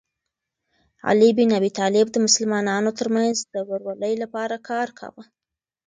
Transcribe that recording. علي بن ابي طالب د مسلمانانو ترمنځ د ورورولۍ لپاره کار کاوه.